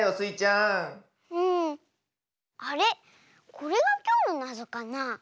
これがきょうのなぞかな。